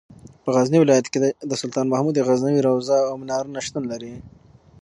په غزني ولایت کې د سلطان محمود غزنوي روضه او منارونه شتون لري.